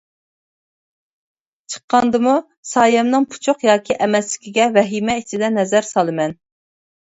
چىققاندىمۇ سايەمنىڭ پۇچۇق ياكى ئەمەسلىكىگە ۋەھىمە ئىچىدە نەزەر سالىمەن.